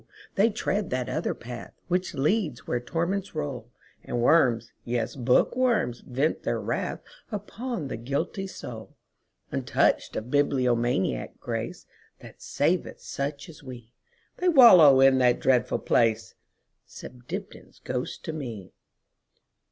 they tread that other path, Which leads where torments roll, And worms, yes, bookworms, vent their wrathUpon the guilty soul. Untouched of bibliomaniac grace, That saveth such as we, They wallow in that dreadful place,"Says Dibdin's ghost to me.